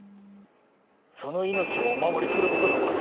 その命をお守りすることがわし